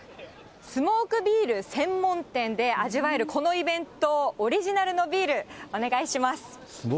スモークビール専門店で味わえる、このイベントオリジナルのビール、お願いします。